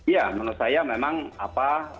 ya menurut saya memang apa